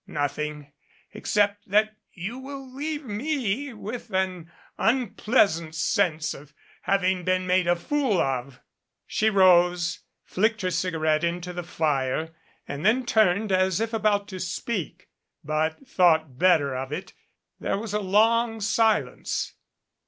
"Nothing except that you will leave me with an un pleasant sense of having been made a fool of." She rose, flicked her cigarette into the fire and then turned as if about to speak. But thought better of it. There was a long silence.